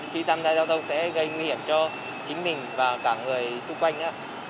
khi xăm ra giao thông sẽ gây nguy hiểm cho chính mình và cả người xung quanh